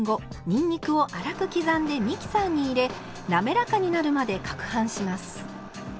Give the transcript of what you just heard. にんにくを粗く刻んでミキサーに入れ滑らかになるまでかくはんします。